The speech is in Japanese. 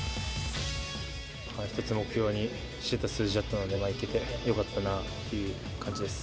一つ目標にしてた数字だったので、いけてよかったなっていう感じです。